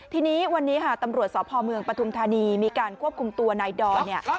ทีนี้วันนี้ตำรวจสอบพเมืองปทุมธานีมีการควบคุมตัวนายดอน